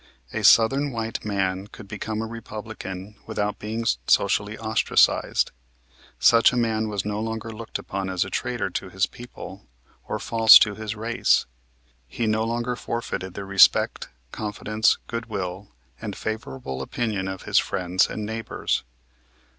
A Southern white man could become a Republican without being socially ostracized. Such a man was no longer looked upon as a traitor to his people, or false to his race. He no longer forfeited the respect, confidence, good will, and favorable opinion of his friends and neighbors.